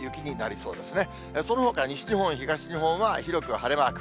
そのほか西日本、東日本は広く晴れマーク。